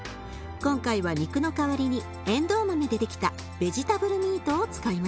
今回は肉の代わりにえんどう豆でできたベジタブルミートを使います。